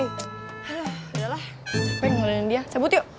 alah udah lah capek ngeluarin dia sabut yuk